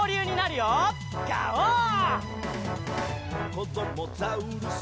「こどもザウルス